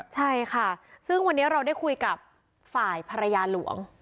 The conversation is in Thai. ใช่ค่ะซึ่งวันนี้เราได้คุยกับฝ่ายภรรยาหลวง